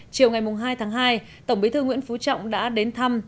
chiều ngày hai tháng hai tổng bí thư nguyễn phú trọng đã đến thăm